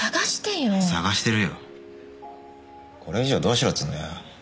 これ以上どうしろっつうんだよ。